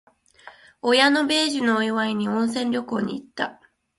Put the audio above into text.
親の米寿のお祝いに、温泉旅行に行った。